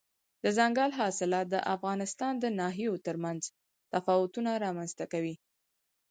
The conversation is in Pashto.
دځنګل حاصلات د افغانستان د ناحیو ترمنځ تفاوتونه رامنځ ته کوي.